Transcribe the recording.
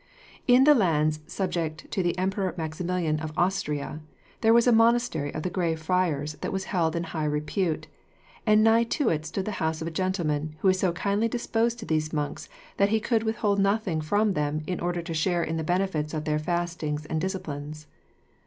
In the lands subject to the Emperor Maximilian of Austria (1) there was a monastery of Grey Friars that was held in high repute, and nigh to it stood the house of a gentleman who was so kindly disposed to these monks that he could withhold nothing from them, in order to share in the benefits of their fastings and disciplines.